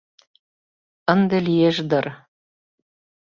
Ынде лиеш дыр.